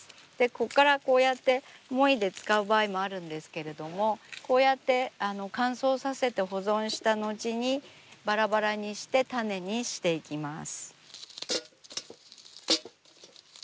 ここからこうやってもいで使う場合もあるんですけれどもこうやって乾燥させて保存した後にばらばらにして種にしていきます。